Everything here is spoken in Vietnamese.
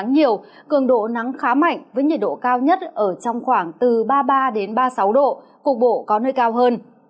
cường độ nắng khá mạnh với nhiệt độ cao nhất ở trong khoảng từ ba mươi ba ba mươi sáu độ cục bộ có nơi cao hơn